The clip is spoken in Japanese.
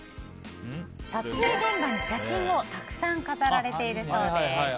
撮影現場に写真をたくさん飾られているそうです。